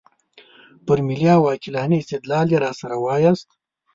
پر ملي او عقلاني استدلال یې راسره وایاست.